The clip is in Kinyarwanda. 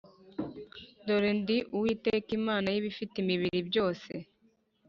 Dore ndi Uwiteka Imana y ibifite imibiri byose